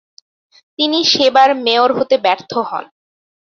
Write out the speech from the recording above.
তিনি সেবার মেয়র হতে ব্যর্থ হন।